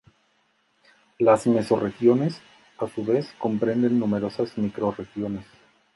Las mesorregiones, a su vez, comprenden numerosas microrregiones.